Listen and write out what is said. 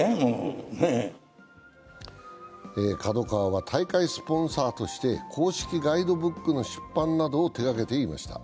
ＫＡＤＯＫＡＷＡは大会スポンサーとして公式ガイドブックの出版などを手掛けていました。